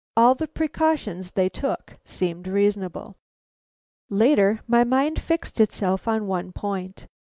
all the precautions they took seemed reasonable. Later, my mind fixed itself on one point.